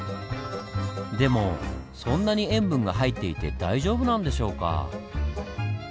でもそんなに塩分が入っていて大丈夫なんでしょうか？